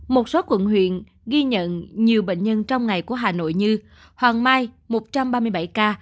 một số quận huyện ghi nhận nhiều bệnh nhân trong ngày của hà nội như hoàng mai một trăm ba mươi bảy ca